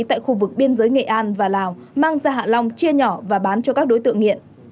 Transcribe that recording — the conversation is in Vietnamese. tại khu vực biên giới nghệ an và lào mang ra hạ long chia nhỏ và bán cho các đối tượng nghiện